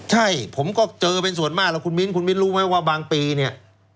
ใช่ผมก็เจอเป็นส่วนมากแล้วคุณมิ้นคุณมิ้นรู้ไหมว่าบางปีเนี่ย